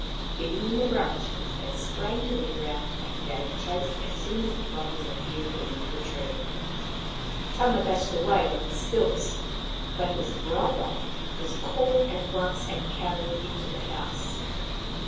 Hidden in the branches, they sprang to the ground and gave chase as soon as the brothers appeared beneath the tree. Tama dashed away on his stilts, but his brother 191 192 Maoriland Fairy Tales was caught at once and carried into the house.